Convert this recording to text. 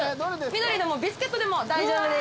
緑でもビスケットでも大丈夫です。